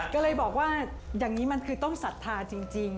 ก็เลยบอกว่าอย่างนี้มันคือต้องศรัทธาจริง